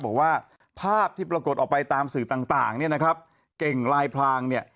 บอกว่าภาพที่ปรากฏออกไปตามสื่อต่างเนี่ยนะครับเก่งลายพลางเนี่ย